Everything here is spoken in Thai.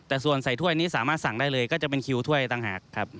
แต่ส่วนใส่ถ้วยนี้สามารถสั่งได้เลยก็จะเป็นคิวถ้วยต่างหากครับ